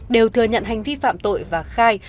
đều thừa nhận hành vi phạm tội và khai